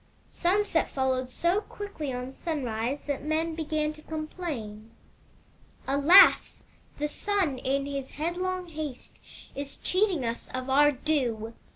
Sunset followed so quickly on sunrise that men began to complain: " *Alas! The Sun, in his headlong haste, is cheating us of our due.